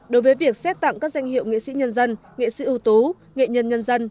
đối với việc xét tặng các danh hiệu nghệ sĩ nhân dân nghệ sĩ ưu tú nghệ nhân nhân dân